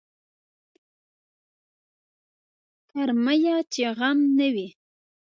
کرميه چې غم نه وي.